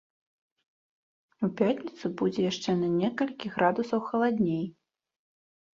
У пятніцу будзе яшчэ на некалькі градусаў халадней.